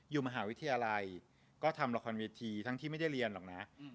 อยู่มหาวิทยาลัยก็ทำละครเวทีทั้งที่ไม่ได้เรียนหรอกนะ